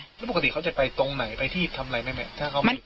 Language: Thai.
แล้วปกติเขาจะไปตรงไหนไปที่ทำอะไรแม่